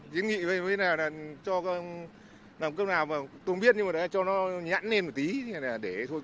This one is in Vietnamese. chính vì vậy tôi không biết nhưng cho nó nhẵn lên một tí